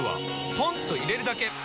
ポンと入れるだけ！